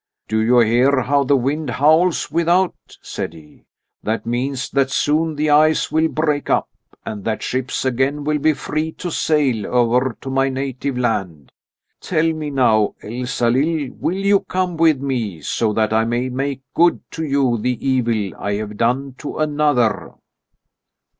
"Do you hear how the wind howls without?" said he. "That means that soon the ice will break up, and that ships again will be free to sail over to my native land. Tell me now, Elsalill, will you come with me, so that I may make good to you the evil I have done to another?"